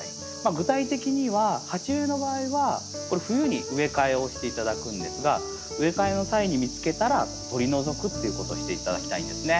具体的には鉢植えの場合は冬に植え替えをして頂くんですが植え替えの際に見つけたら取り除くっていうことをして頂きたいんですね。